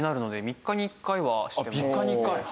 あっ３日に１回？